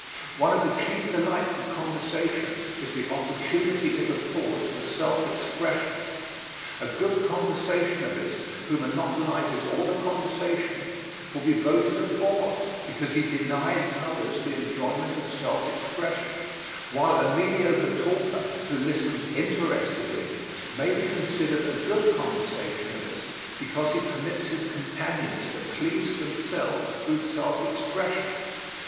One of the chief delights of conversation is the opportunity it affords for self expression. A good conversationalist who monopolizes all the conversation, will be voted a bore because he denies others the enjoyment of self expression, while a mediocre talker who listens interestedly may be considered a good conversationalist because he permits his companions to please themselves through self expression.